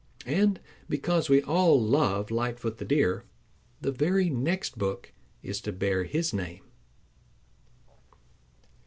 And because we all love Lightfoot the Deer, the very next book is to bear his name.